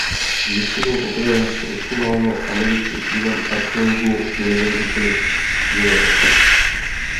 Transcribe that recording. Město bylo poprvé prozkoumáno americkým týmem archeologů z univerzity Yale.